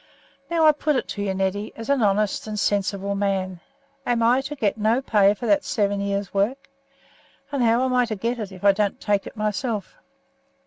Now I put it to you, Neddy, as an honest and sensible man, Am I to get no pay for that seven years' work? And how am I to get it if I don't take it myself?